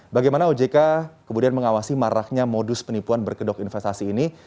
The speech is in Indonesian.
bagaimana ojk kemudian mengawasi maraknya modus penipuan berkedok investasi ini